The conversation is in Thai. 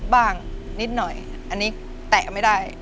นิดหน่อยอันนี้แตะไม่ได้